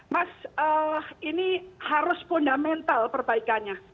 mas ini harus fundamental perbaikannya